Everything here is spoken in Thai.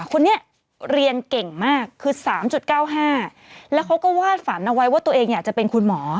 คนนี้เรียนเก่งมากคือ๓๙๕แล้วเขาก็วาดฝันเอาไว้ว่าตัวเองอยากจะเป็นคุณหมอ